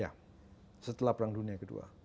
ya setelah perang dunia ke dua